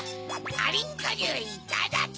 アリンコじゅういただき！